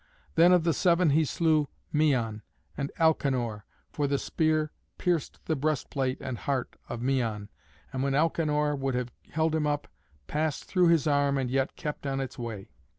Then of the seven he slew Mæon and Alcanor, for the spear pierced the breast plate and heart of Mæon, and when Alcanor would have held him up, passed through his arm and yet kept on its way.